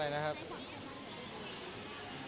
ด้วยความช่วง